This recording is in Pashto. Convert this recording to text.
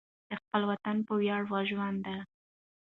د خپل وطن په ویاړ وژونده.